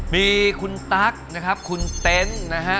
มีคุณตั๊กนะครับคุณเต็นต์นะฮะ